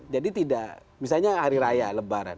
jadi tidak misalnya hari raya lebaran